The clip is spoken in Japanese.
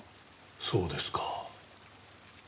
そうですか。